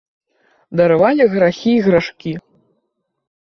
Даравалі грахі і грашкі.